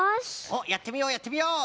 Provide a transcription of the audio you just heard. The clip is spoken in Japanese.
おっやってみようやってみよう。